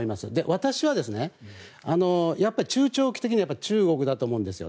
私はやっぱり中長期的には中国だと思うんです。